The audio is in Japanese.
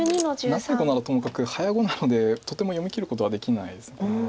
長い碁ならともかく早碁なのでとても読みきることはできないです。